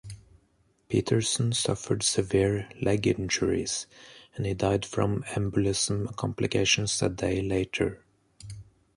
Peterson suffered severe leg injuries, and he died from embolism complications a day later.